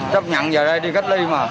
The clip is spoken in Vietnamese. chấp nhận về đây đi cách ly mà